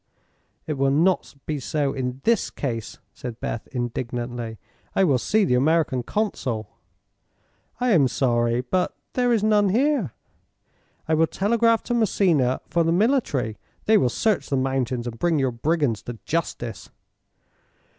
"It will not be so in this case," said Beth, indignantly. "I will see the American consul " "I am sorry, but there is none here." "I will telegraph to Messina for the military. They will search the mountains, and bring your brigands to justice."